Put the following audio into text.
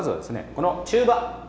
この中羽。